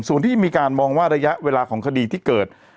ส่วนที่มีการมองว่าระยะเวลาของคดีที่เกิด